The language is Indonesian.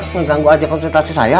ngeganggu aja konsultasi saya